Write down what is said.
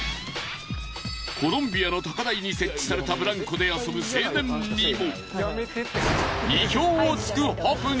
コロンビアの高台に設置されたブランコで遊ぶ青年にも。